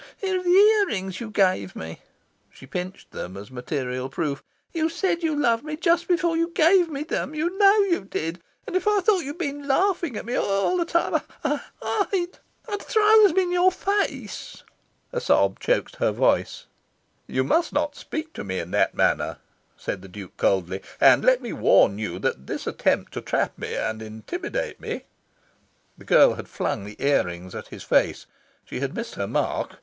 Here are the ear rings you gave me." She pinched them as material proof. "You said you loved me just before you gave me them. You know you did. And if I thought you'd been laughing at me all the time I'd I'd" a sob choked her voice "I'd throw them in your face!" "You must not speak to me in that manner," said the Duke coldly. "And let me warn you that this attempt to trap me and intimidate me " The girl had flung the ear rings at his face. She had missed her mark.